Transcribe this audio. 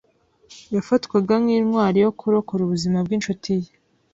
Yafatwaga nk'intwari yo kurokora ubuzima bw'inshuti ye.